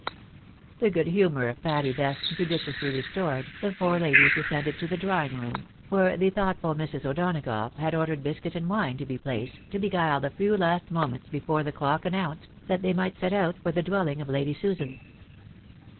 " The good humour of Patty thus judicioiisly restored, the four ladies descended to the drawing room, where the thoughtful Mrs. O'Donagough had ordered biscuit and wine to be placed, to beguile the few last moments before the clock announced that they might set out for the dwelling of Lady Susan.